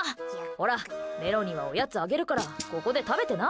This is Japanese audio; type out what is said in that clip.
ほら、メロにはおやつあげるからここで食べてな。